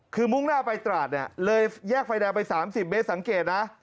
คือมุ่งหน้าไปตราดเนี่ยเลยแยกไฟแดงไป๓๐เมตรสังเกตนะ